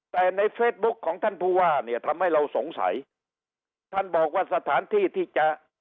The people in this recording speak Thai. แต่ในเฟซบุ๊คของท่านผู้ว่าเนี่ยทำให้เราสงสัยท่านบอกว่าสถานที่ที่จะ